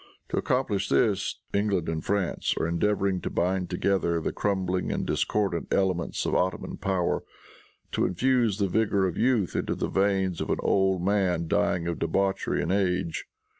To accomplish this, England and France are endeavoring to bind together the crumbling and discordant elements of Ottoman power, to infuse the vigor of youth into the veins of an old man dying of debauchery and age.